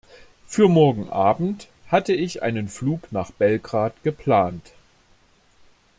Für morgen Abend hatte ich einen Flug nach Belgrad geplant.